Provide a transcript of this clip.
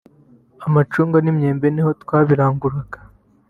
amacunga n’imyembe niho twabiranguraga”